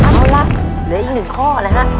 เหลืออีกหนึ่งข้อนะฮะ